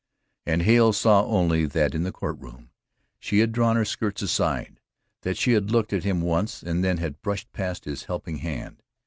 And Hale saw only that in the Court Room she had drawn her skirts aside, that she had looked at him once and then had brushed past his helping hand.